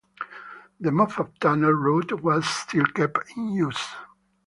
The Moffat Tunnel route was still kept in use.